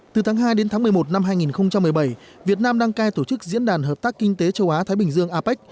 từ tháng hai đến tháng một mươi một năm hai nghìn một mươi bảy việt nam đăng cai tổ chức diễn đàn hợp tác kinh tế châu á thái bình dương apec